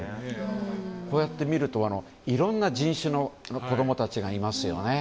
こうやって見るといろんな人種の子供たちがいますよね。